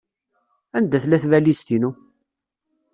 Anda tella tbalizt-inu?